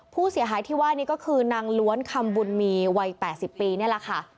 ผู้เสียหายที่ว่านี่ก็คือนางล้วนคำบุญมีวัย๘๐ปีนี่แหละค่ะ